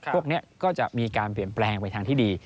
พวกนี้ก็จะมีการเปลี่ยนแปลงไปทางที่ดี